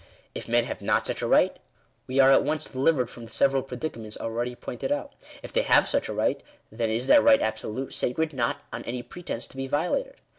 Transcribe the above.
If men have not such a right, we are at once delivered from the several predicaments already pointed out. If they have such a right, then is that right absolute, sacred, not on any pretence to be violated.